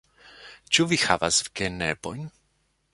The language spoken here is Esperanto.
Ĉu vi havas genepojn?